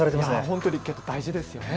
本当に大事ですよね。